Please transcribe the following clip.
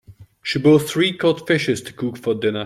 She bought three cod fishes to cook for dinner.